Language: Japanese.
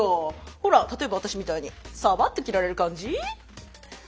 ほら例えば私みたいにサバっと着られる感じ？